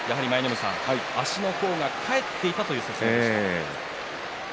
足の甲が返っていたという説明でした。